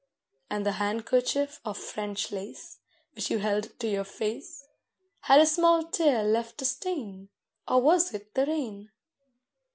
And the handkerchief of French lace Which you held to your face— Had a small tear left a stain? Or was it the rain?